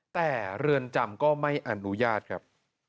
แต่เรือนจำก็ไม่อนุญาตครับ